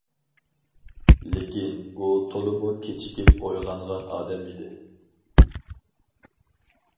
لېكىن، ئۇ تولىمۇ كېچىكىپ ئويغانغان ئادەم ئىدى.